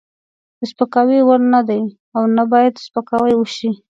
د سپکاوي وړ نه دی او نه باید سپکاوی وشي.